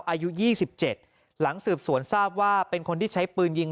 อายุ๒๗หลังสืบสวนทราบว่าเป็นคนที่ใช้ปืนยิง